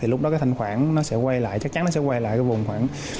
lúc đó thanh khoản sẽ quay lại chắc chắn sẽ quay lại vùng khoảng hai mươi